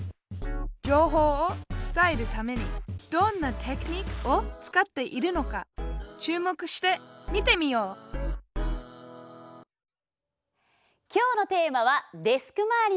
情報を伝えるためにどんなテクニックを使っているのか注目して見てみよう今日のテーマは「デスク周りの片づけ」。